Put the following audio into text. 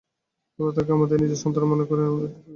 আমরা তাকে আমাদের নিজের সন্তান মনে করেই এখানে দেখে রাখবো।